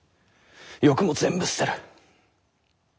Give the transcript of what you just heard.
欲も全部捨てる。